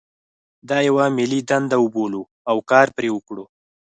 دا یوه ملي دنده وبولو او کار پرې وکړو.